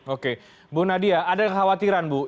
oke bu nadia ada kekhawatiran bu